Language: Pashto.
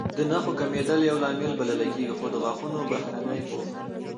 د نښو کمېدو یو لامل بلل کېږي، خو د غاښونو بهرنی پوښ